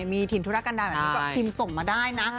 มีถิ่นธุระกันดาก็ทิมส่งมาได้นะ